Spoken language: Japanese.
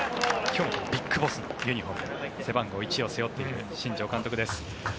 今日ＢＩＧＢＯＳＳのユニホーム背番号１を背負っている新庄監督です。